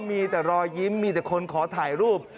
มีแต่รอยยิ้มมีแต่คนขอถ่ายรูป